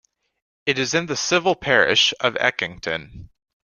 It is in the civil parish of Eckington.